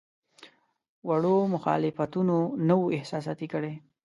وړو مخالفتونو نه وو احساساتي کړی.